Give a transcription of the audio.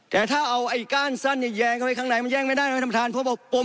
แต่ถ้าเอาไอ้ก้านสั้นเนี่ยแยงเข้าไปข้างในมันแย่งไม่ได้นะท่านประธานเพราะว่า